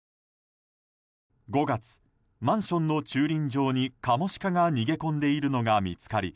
５月、マンションの駐輪場にカモシカが逃げ込んでいるのが見つかり